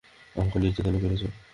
আমাকে নির্যাতনে করছে।